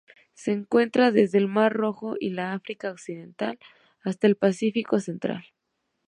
Se encuentra desde el mar Rojo y la África Oriental hasta el Pacífico central.